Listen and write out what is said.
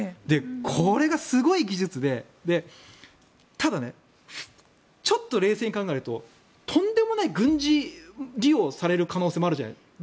これがすごい技術でただね、ちょっと冷静に考えるととんでもない軍事利用される可能性もあるじゃないですか。